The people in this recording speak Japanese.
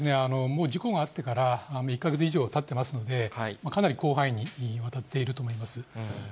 もう事故があってから１か月以上たってますので、かなり広範囲にわたっていると思います。